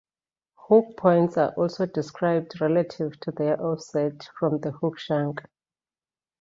Hook points are also described relative to their offset from the hook shank.